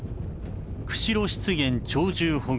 釧路湿原鳥獣保護区。